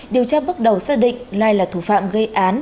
điều tra bước đầu xác định lai là thủ phạm gây án